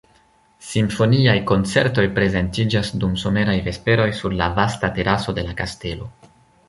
Simfoniaj koncertoj prezentiĝas dum someraj vesperoj sur la vasta teraso de la kastelo.